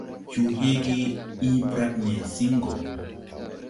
Cuu heege ii brad nesiŋ gɔ.